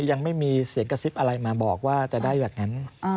ยังไม่มีเสียงกระซิบอะไรมาบอกว่าจะได้แบบนั้น